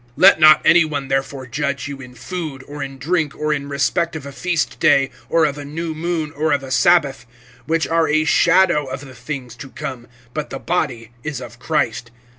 (16)Let not any one therefore judge you in food, or in drink, or in respect of a feast day, or of a new moon, or of a sabbath; (17)which are a shadow of the things to come, but the body is of Christ.